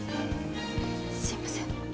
すいません。